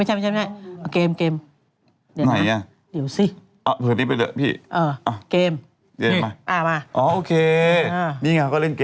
เวลาจะเล่นเกมคุณใส่อย่างงี้เลยพับแล้วก็เปิด